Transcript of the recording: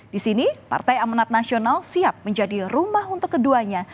di sini partai amanat nasional siap menjadi rumah untuk keduanya